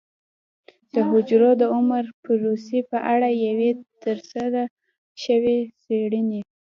د حجرو د عمر پروسې په اړه یوې ترسره شوې څېړنې